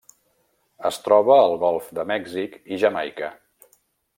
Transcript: Es troba al Golf de Mèxic i Jamaica.